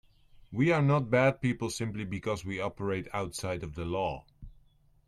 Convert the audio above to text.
We are not bad people simply because we operate outside of the law.